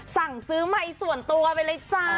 สั่งซื้อไมค์ส่วนตัวไปเลยจ้า